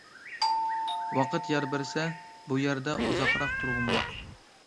ۋاقىت يار بەرسە، بۇ يەردە ئۇزاقراق تۇرغۇم بار.